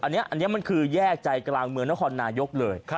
อันนี้มันคือแยกใจกลางเมืองนครนายกเลย